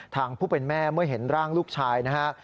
ผู้เป็นแม่เมื่อเห็นร่างลูกชายนะฮะ